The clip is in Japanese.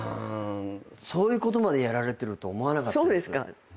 そういうことまでやられてると思わなかったです。